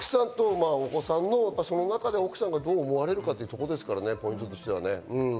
奥さんとお子さんの、その中で奥さんがどう思われるかというところですからね、ポイントとしては。